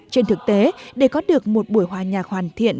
trên thực tế để có được một buổi hòa nhạc hoàn thiện